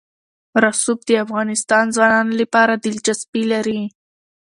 رسوب د افغان ځوانانو لپاره دلچسپي لري.